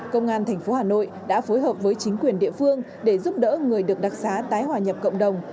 công an tp hà nội đã phối hợp với chính quyền địa phương để giúp đỡ người được đặc xá tái hòa nhập cộng đồng